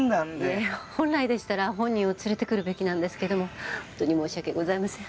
いえ本来でしたら本人を連れてくるべきなんですけども本当に申し訳ございません。